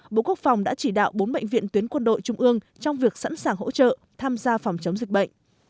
bộ y tế đã thành lập bốn bệnh viện tuyến quân đội trung ương trong việc sẵn sàng hỗ trợ tham gia phòng chống dịch bệnh